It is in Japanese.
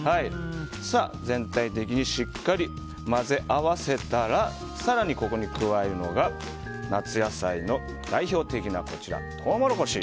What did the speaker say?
全体的にしっかり混ぜ合わせたら更にここに加えるのが夏野菜の代表的なこちらトウモロコシ。